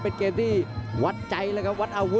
เป็นเกมที่วัดใจเลยครับวัดอาวุธ